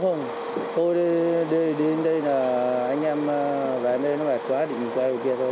không không tôi đến đây là anh em và anh ấy nó phải khóa định quay ở kia thôi